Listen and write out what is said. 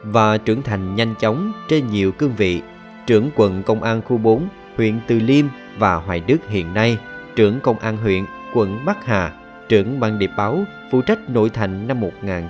và trưởng thành nhanh chóng trên nhiều cương vị trưởng quận công an khu bốn huyện từ liêm và hoài đức hiện nay trưởng công an huyện quận bắc hà trưởng băng điệp báo phụ trách nội thành năm một nghìn chín trăm bảy mươi